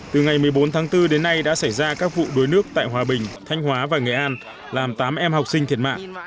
từ ngày một mươi bốn tháng bốn đến nay đã xảy ra các vụ đuối nước tại hòa bình thanh hóa và nghệ an làm tám em học sinh thiệt mạng